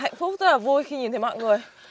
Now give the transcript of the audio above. rất là hạnh phúc rất là vui khi nhìn thấy mọi người